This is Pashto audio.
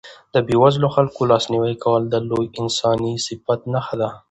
د بېوزلو خلکو لاسنیوی کول د لوی انساني صفت نښه ده.